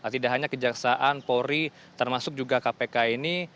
tidak hanya kejaksaan polri termasuk juga kpk ini